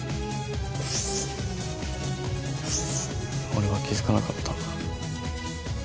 俺は気付かなかった。